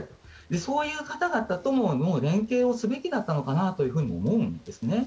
そういう方々とも連携をすべきだったのかなと思うんですね。